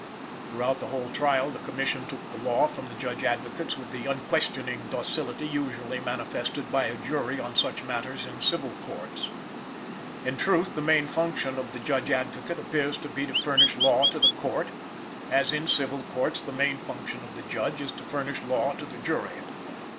Throughout the whole trial, the Commission took the law from the Judge Advocates with the unquestioning docility usually manifested by a jury on such matters in civil courts. In truth, the main function of a Judge Advocate appears to be to furnish law to the Court, as in civil courts the main function of the Judge is to furnish law to the jury.